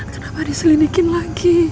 kenapa diselidiki lagi